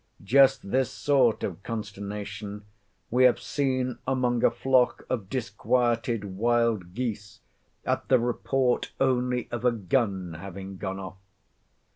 Just this sort of consternation we have seen among a flock of disquieted wild geese at the report only of a gun having gone off!